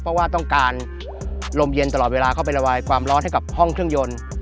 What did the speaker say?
เพราะว่าต้องการลมเย็นตลอดเวลาเข้าไประบายความร้อนให้กับห้องเครื่องยนต์